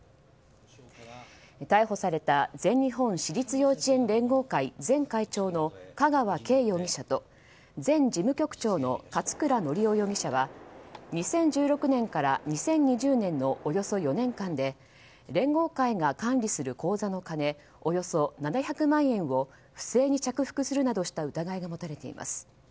逮捕された全日本私立幼稚園連合会前会長の香川敬容疑者と前事務局長の勝倉教雄容疑者は２０１６年から２０２０年のおよそ４年間で連合会が管理する口座の金およそ７００万円を不正に着服するなどした疑いが持たれています。